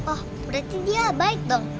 oh berarti dia baik dong